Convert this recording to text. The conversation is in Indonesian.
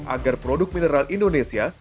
agar produk mineral indonesia